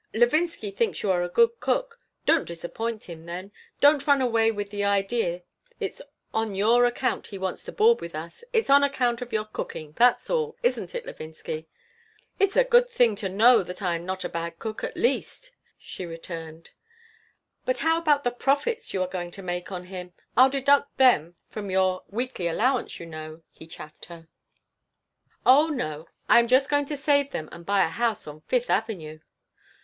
Levinsky thinks you a good cook. Don't disappoint him, then. Don't run away with the idea it's on your own account he wants to board with us. It is on account of your cooking. That's all. Isn't it, Levinsky?" "It's a good thing to know that I am not a bad cook, at least," she returned "But how about the profits you are going to make on him? I'll deduct them from your weekly allowance, you know," he chaffed her "Oh no. I am just going to save them and buy a house on Fifth Avenue."